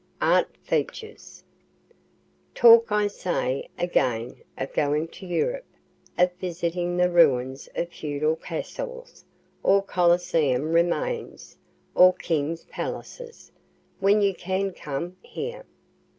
ART FEATURES Talk, I say again, of going to Europe, of visiting the ruins of feudal castles, or Coliseum remains, or kings' palaces when you can come here.